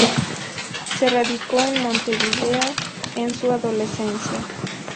Se radicó en Montevideo en su adolescencia.